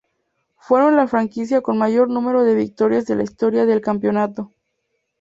Fueron la franquicia con mayor número de victorias de la historia del campeonato.